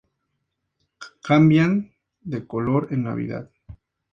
Cambian de color en Navidad.